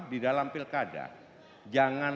di dalam pilkada